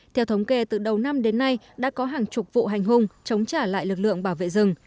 theo thống kê từ đầu năm đến nay đã có hàng chục vụ hành hung chống trả lại lực lượng bảo vệ rừng